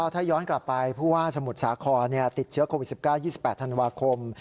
ถ้าย้อนกลับไปผู้ว่าสมุทรสาครติดเชื้อโควิด๑๙๒๘ธันวาคม